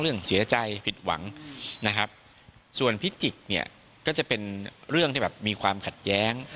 เรื่องเสียใจผิดหวังนะครับส่วนพิจิกเนี่ยก็จะเป็นเรื่องที่แบบมีความขัดแย้ง